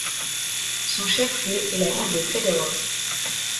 Son chef-lieu est la ville de Federal.